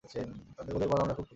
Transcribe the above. ওদের বল, আমরা খুব ক্ষুধার্থ।